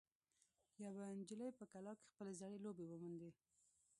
یوه نجلۍ په کلا کې خپلې زړې لوبې وموندې.